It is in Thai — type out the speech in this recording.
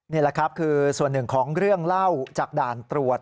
นี่แหละครับคือส่วนหนึ่งของเรื่องเล่าจากด่านตรวจ